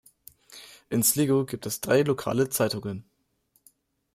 In Sligo gibt es drei lokale Zeitungen.